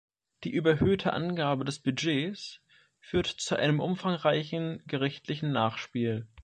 Die überhöhte Angabe des Budgets führte zu einem umfangreichen gerichtlichen Nachspiel.